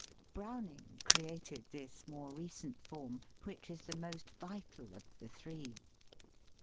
Browning created this more recent form, which is the most vital of the three.